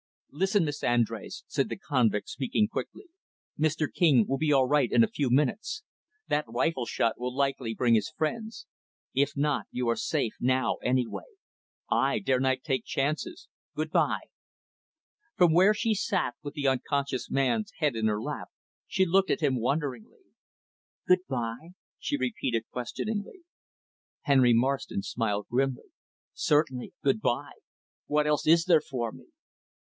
"Listen, Miss Andrés," said the convict, speaking quickly. "Mr. King will be all right in a few minutes. That rifle shot will likely bring his friends; if not, you are safe, now, anyway. I dare not take chances. Good by." From where she sat with the unconscious man's head in her lap, she looked at him, wonderingly. "Good by?" she repeated questioningly. Henry Marston smiled grimly. "Certainly, good by What else is there for me?"